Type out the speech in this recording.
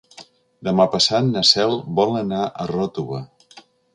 Demà passat na Cel vol anar a Ròtova.